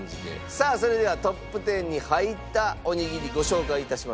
さあそれではトップ１０に入ったおにぎりご紹介致しましょう。